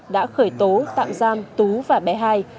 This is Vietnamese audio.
đã khởi tố tạm giam tú và bé hai